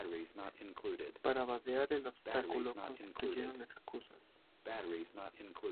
Para vadear el obstáculo, construyeron esclusas.